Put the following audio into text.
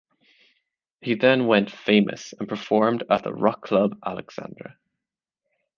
He then went famous and performed at the rock club Alexandra.